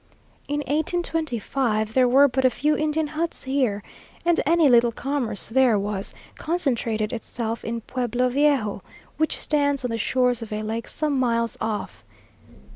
In 1825 there were but a few Indian huts here, and any little commerce there was, concentrated itself in Pueblo Viejo, which stands on the shores of a lake some miles off.